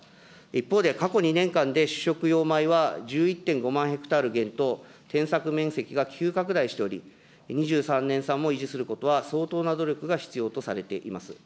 一方で、過去２年間で、主食用米は１１．５万ヘクタール減と、転作面積が急拡大しており、２３年産も維持することは相当な努力が必要とされています。